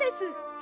え！